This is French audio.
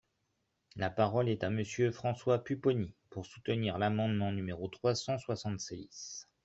La parole est à Monsieur François Pupponi, pour soutenir l’amendement numéro trois cent soixante-six.